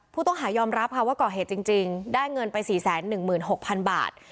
ผู้ต้องหายอมรับค่ะว่าก่อเหตุจริงได้เงินไป๔๑๖๐๐๐บาท